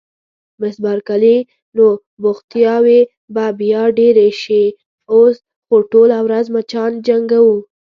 مس بارکلي: نو بوختیاوې به بیا ډېرې شي، اوس خو ټوله ورځ مچان جنګوو.